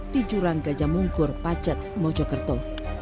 di jurang gajah mungkur pacet mojokerto